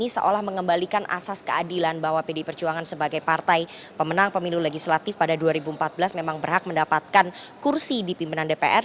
seolah mengembalikan asas keadilan bahwa pdi perjuangan sebagai partai pemenang pemilu legislatif pada dua ribu empat belas memang berhak mendapatkan kursi di pimpinan dpr